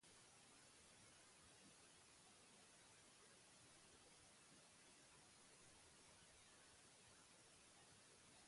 Kontsumo eta kutsadura isurketen estandarrak bateratzen utziko dute arau berriek.